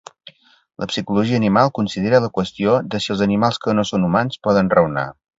La psicologia animal considera la qüestió de si els animals que no són humans poden raonar.